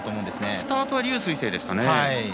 スタートは劉翠青でしたね。